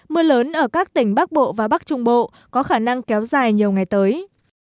mưa lớn ở các tỉnh bắc bộ và bắc trung bộ có khả năng kéo dài nhiều ngày tới